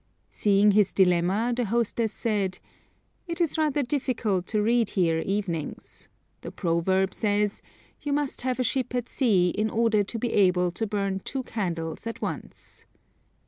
Seeing his dilemma, the hostess said: "It is rather difficult to read here evenings; the proverb says, 'You must have a ship at sea in order to be able to burn two candles at once.'"